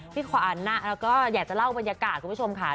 พี่ขวัญเราก็อยากจะเล่าบรรยากาศคุณผู้ชมค่ะ